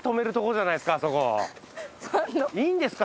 いいんですか？